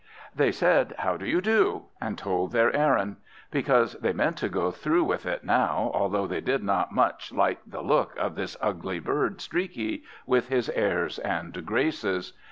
They said "How do you do?" and told their errand; because they meant to go through with it now, although they did not much like the look of this ugly bird Streaky, with his airs and graces.